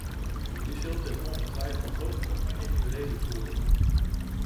U zult dit ongetwijfeld ook noemen in uw redevoering.